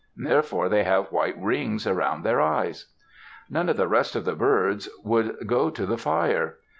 Therefore they have white rings around their eyes. None of the rest of the birds would go to the fire.